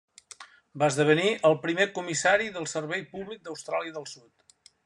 Va esdevenir el primer Comissari de Servei Públic d'Austràlia del Sud.